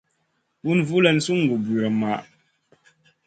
Bùn vulan sungu birim maʼh.